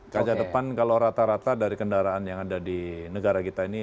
kaca depan kalau rata rata dari kendaraan yang ada di negara kita ini